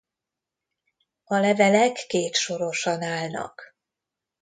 A levelek kétsorosan állnak.